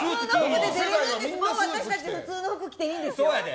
私たち、普通の服着ていいんですよ。